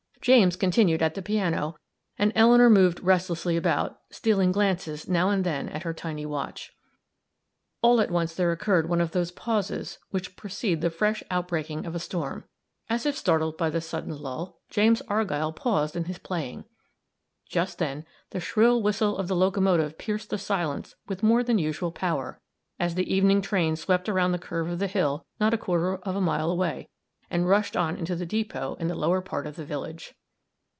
James continued at the piano, and Eleanor moved restlessly about, stealing glances, now and then, at her tiny watch. All at once there occurred one of those pauses which precede the fresh outbreaking of a storm; as if startled by the sudden lull, James Argyll paused in his playing; just then the shrill whistle of the locomotive pierced the silence with more than usual power, as the evening train swept around the curve of the hill not a quarter of a mile away, and rushed on into the depot in the lower part of the village.